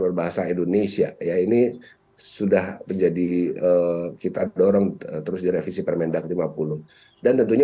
berbahasa indonesia ya ini sudah menjadi kita dorong terus direvisi permendak lima puluh dan tentunya